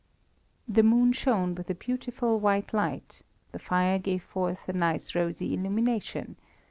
The moon shone with a beautiful white light; the fire gave forth a nice rosy illumination.